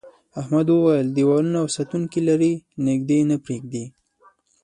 احمد وویل دیوالونه او ساتونکي لري نږدې نه پرېږدي.